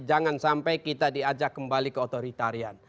jangan sampai kita diajak kembali ke otoritarian